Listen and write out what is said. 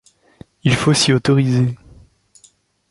Il faut s’y autoriser.